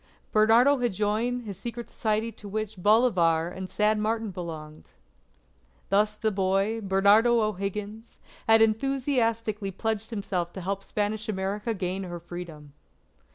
Bernardo had joined his secret society to which Bolivar and San Martin belonged. Thus the boy, Bernardo O'Higgins, had enthusiastically pledged himself to help Spanish America gain her Freedom.